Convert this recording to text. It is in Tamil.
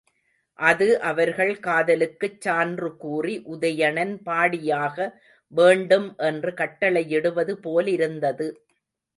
அது அவர்கள் காதலுக்குச் சான்று கூறி உதயணன் பாடியாக வேண்டும் என்று கட்டளையிடுவது போலிருந்தது.